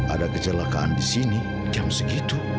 ada kecelakaan disini jam segitu